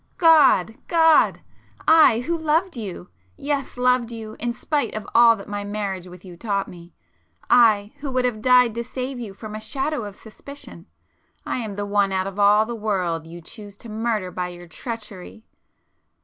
God—God! I, who loved you,—yes, loved you in spite of all that my marriage with you taught me,—I, who would have died to save you from a shadow of suspicion,—I am the one out of all the world you choose to murder by your treachery!"